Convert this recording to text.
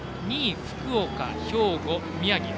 ２位、福岡、兵庫、宮城。